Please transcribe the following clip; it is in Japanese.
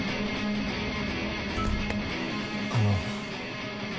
あの。